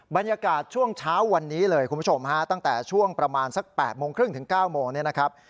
บรรยากาศช่วงเช้าวันนี้เลยคุณผู้ชมฮะตั้งแต่ช่วงประมาณสัก๘โมงครึ่งถึง๙โมงเนี่ยนะครับ